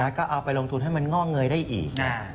ก็เอาไปลงทุนให้มันง่อเงยได้อีก